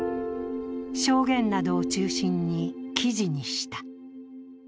証言などを中心に記事にした。